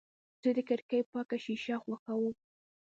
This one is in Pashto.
زه د کړکۍ پاکه شیشه خوښوم.